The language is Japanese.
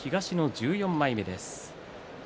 東の１４枚目です。